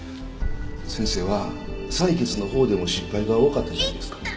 先生は採血のほうでも失敗が多かったじゃないですか。